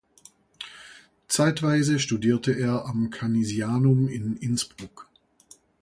Zeitweise studierte er am Canisianum in Innsbruck.